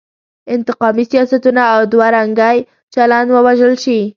انتقامي سیاستونه او دوه رنګی چلن ووژل شي.